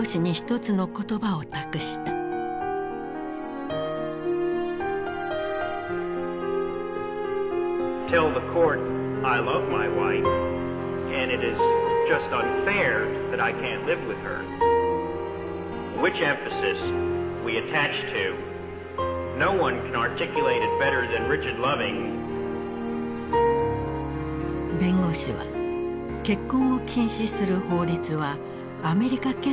弁護士は結婚を禁止する法律はアメリカ憲法の精神に反すると訴えた。